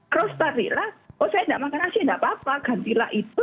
terus carilah oh saya tidak makan nasi tidak apa apa gantilah itu